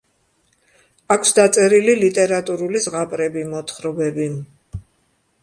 აქვს დაწერილი ლიტერატურული ზღაპრები, მოთხრობები.